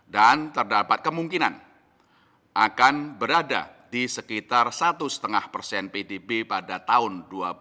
dan terdapat kemungkinan akan berada di sekitar satu lima persen pdb pada tahun dua ribu dua puluh